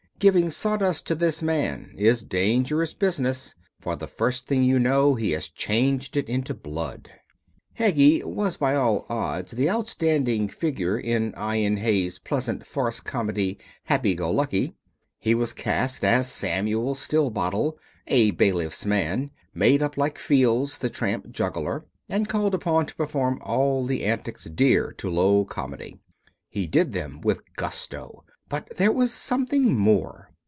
Giving sawdust to this man is dangerous business, for the first thing you know he has changed it into blood. Heggie was by all odds the outstanding figure in Ian Hay's pleasant farce comedy, Happy Go Lucky. He was cast as Samuel Stillbottle, a bailiff's man, made up like Fields, the tramp juggler, and called upon to perform all the antics dear to low comedy. He did them with gusto, but there was something more.